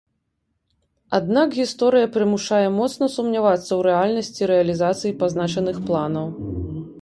Аднак гісторыя прымушае моцна сумнявацца ў рэальнасці рэалізацыі пазначаных планаў.